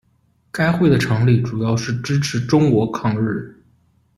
该会的成立主要是支持中国抗日。